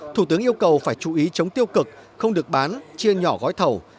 thủ tướng yêu cầu phải chú ý chống tiêu cực không được bán chia nhỏ gói thầu